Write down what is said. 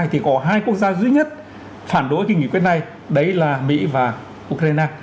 thì có hai quốc gia duy nhất phản đối kinh nghiệm quyết này đấy là mỹ và ukraine